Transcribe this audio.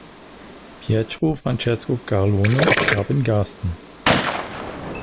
Pietro Francesco Carlone starb in Garsten.